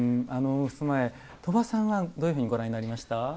あの襖絵鳥羽さんはどういうふうにご覧になりました？